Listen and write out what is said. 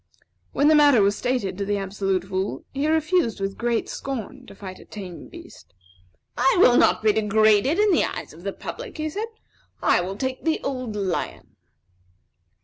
When the matter was stated to the Absolute Fool, he refused with great scorn to fight a tame beast. "I will not be degraded in the eyes of the public," he said; "I will take the old lion."